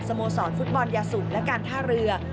โมสรฟุตบอลยาสูบและการท่าเรือ